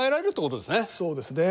そうですね。